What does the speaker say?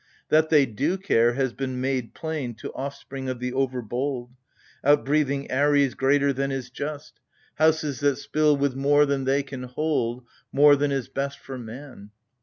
That they do care, has been made plain To offspring of the over bold, Outbreathing " Ares " greater than is just— AGAMEMNON. 33 Houses that spill with more than they can hold, More than is best for man.